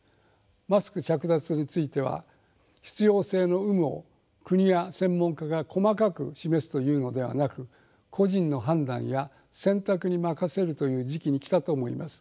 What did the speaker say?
マスク着脱については必要性の有無を国や専門家が細かく示すというのではなく個人の判断や選択に任せるという時期に来たと思います。